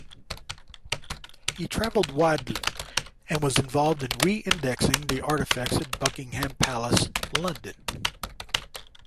He travelled widely, and was involved in re-indexing the artifacts at Buckingham Palace, London.